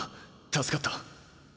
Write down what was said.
助かった。